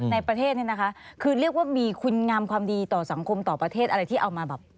ในประเทศนี้นะคะคือเรียกว่ามีคุณงามความดีต่อสังคมต่อประเทศอะไรที่เอามาแบบ